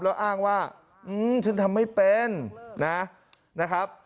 แล้วอ้างว่าฉันทำไม่เป็นนะครับ